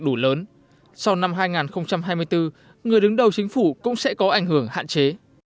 sau năm hai nghìn hai mươi bốn người đứng đầu chính phủ cũng sẽ có ảnh hưởng hạn chế